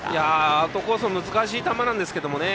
アウトコースの難しい球なんですけどね